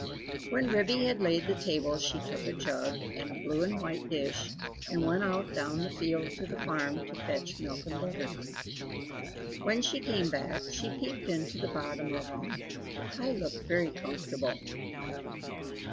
When Ribby had laid the table she took a jug and a blue and white dish, and went out down the field to the farm, to fetch milk and butter. When she came back, she peeped into the bottom oven; the pie looked very comfortable.